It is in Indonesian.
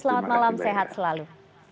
selamat malam sehat selalu